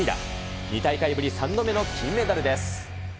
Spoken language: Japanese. ２大会ぶり３度目の金メダルです。